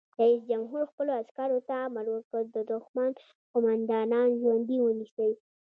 رئیس جمهور خپلو عسکرو ته امر وکړ؛ د دښمن قومندانان ژوندي ونیسئ!